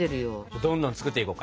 どんどん作っていこうか。